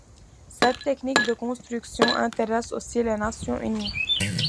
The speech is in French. Cette technique de construction intéresse aussi les Nations unies.